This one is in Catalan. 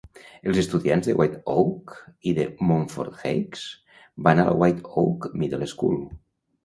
Els estudiants de White Oak i de Monfort Heights van a la White Oak Middle School.